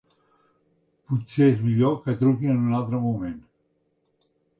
Potser és millor que truqui en un altre moment.